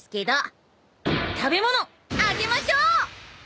食べ物あげましょう！